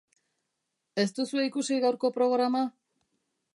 Ez duzue ikusi gaurko programa?